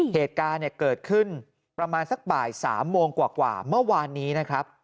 เหตุการณ์เกิดขึ้นประมาณสักบ่าย๓โมงกว่าเมื่อวานนี้นะครับ